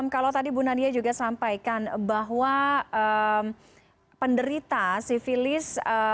kalau tadi bu nadia juga sampaikan bahwa penderita sivilis